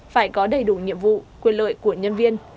phải có đầy đủ nhiệm vụ quyền lợi của nhân viên